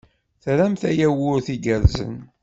Tramt ayawurt igersen?